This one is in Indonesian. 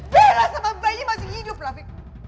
bella sama blady masih hidup rafiq